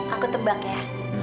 aku tebak ya